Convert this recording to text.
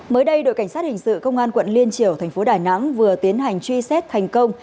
mới đây đội cảnh sát hình sự công an quận liên triều tp đài nẵng vừa tiến hành truy xét thành công